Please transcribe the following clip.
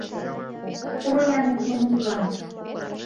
Пуро-ян ик минутлан!